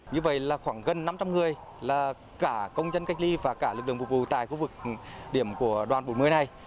như vậy là khoảng gần năm trăm linh người là cả công dân cách ly và cả lực lượng phục vụ tại khu vực điểm của đoàn bốn mươi này